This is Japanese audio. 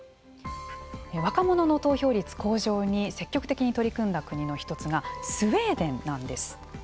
若者の投票率向上に積極的に取り組んだ国の一つがスウェーデンなんです。